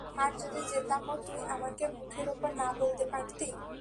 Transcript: আর যদি যেতামও, তুই আমাকে মুখের উপর না বলতে পারতি।